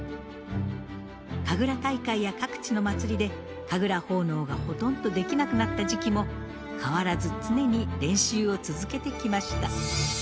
神楽大会や各地のまつりで神楽奉納がほとんどできなくなった時期も変わらず常に練習を続けてきました。